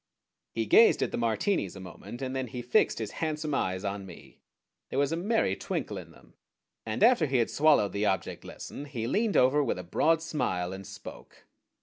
He gazed at the Martinis a moment, and then he fixed his handsome eyes on me. There was a merry twinkle in them, and after he had swallowed the object lesson he leaned over with a broad smile and spoke.